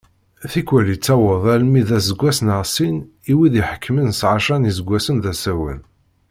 Tikwal yettaweḍ almi d aseggas neɣ sin i wid iḥekmen s ɛecra n yiseggasen d asawen.